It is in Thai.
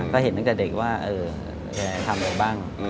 ก็เห็นตั้งแต่เด็กว่าแกทำอะไรบ้าง